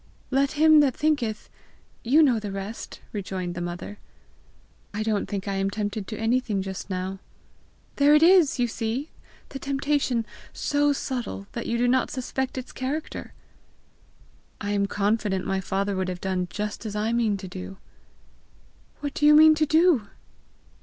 "' Let him that thinketh ' you know the rest!" rejoined the mother. "I don't think I am tempted to anything just now." "There it is, you see! the temptation so subtle that you do not suspect its character!" "I am confident my father would have done just as I mean to do!" "What do you mean to do?"